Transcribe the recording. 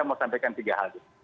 saya mau sampaikan tiga hal itu